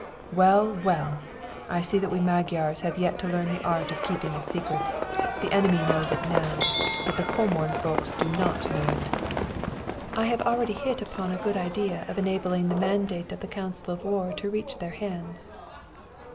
"'Well, well! I see that we Magyars have yet to learn the art of keeping a secret. The enemy knows it now, but the Comorn folks do not know it.' "'I have already hit upon a good idea of enabling the mandate of the Council of War to reach their hands.'